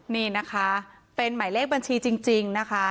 นี่นะคะเป็นหมายเลขบัญชีจริงนะคะ